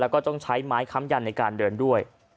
แล้วก็ต้องใช้ไม้ค้ำยันในการเดินด้วย